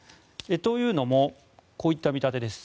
というのもこういった見立てです。